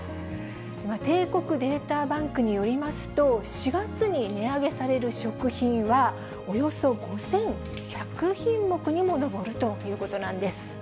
帝国データバンクによりますと、４月に値上げされる食品は、およそ５１００品目にも上るということなんです。